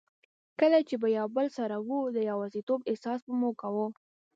کله چي به یو له بل سره وو، د یوازیتوب احساس به مو کاوه.